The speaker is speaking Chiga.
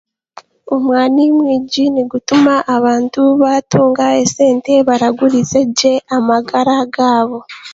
Omwani mwingi nigutuma abantu baatunga esente baraguriza gye amagara gaabo